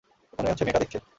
মনে হচ্ছে মেয়েটা দেখছে।